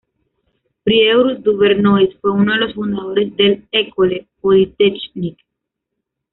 Prieur-Duvernois fue uno de los fundadores del "École Polytechnique.